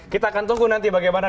kita akan tunggu nanti bagaimana